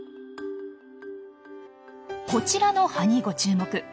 こちらの葉にご注目。